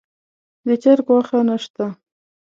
د چرګ غوښه نه شته.